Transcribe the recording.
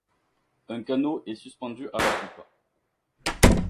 Un canot est suspendu à la poupe.